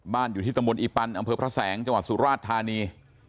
อยู่ที่ตำบลอีปันอำเภอพระแสงจังหวัดสุราชธานี